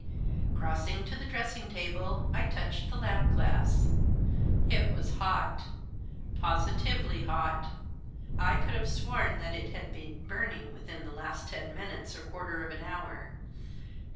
Crossing to the dressing table, I touched the lamp glass. It was hot, positively hot. I could have sworn that it had been burning within the last ten minutes or quarter of an hour.